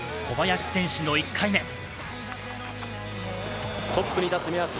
小林選手の１回目。